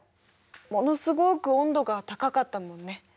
ものすごく温度が高かったもんね。